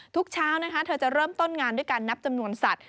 ทุกเช้านะคะเธอจะเริ่มต้นงานด้วยการนับจำนวนสัตว